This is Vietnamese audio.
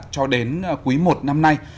cho đến cuối một năm nay